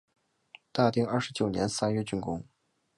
大定二十九年三月竣工。